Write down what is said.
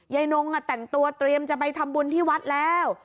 นงแต่งตัวเตรียมจะไปทำบุญที่วัดแล้ว